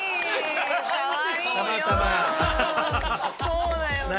そうだよね。